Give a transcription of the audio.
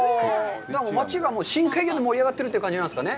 町が深海魚で盛り上がっているという感じですか。